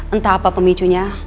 entah apa pemicunya